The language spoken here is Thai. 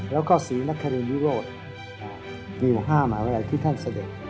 แล้วก็ศรีนครีมยุโรศมี๕หมายวิทยาลัยที่ท่านเสด็จ